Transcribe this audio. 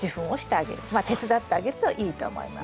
まあ手伝ってあげるといいと思います。